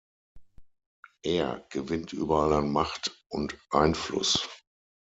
Er gewinnt überall an Macht und Einfluss.